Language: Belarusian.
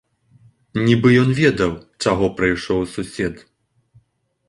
Нібы ён ведаў, чаго прыйшоў сусед.